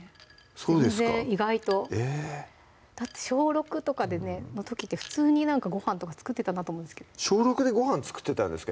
そうですか全然意外とだって小６とかでねの時って普通になんかごはんとか作ってたなと思うんですけど小６でごはん作ってたんですか？